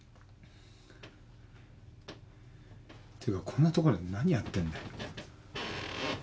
っていうかこんな所で何やってんだよ。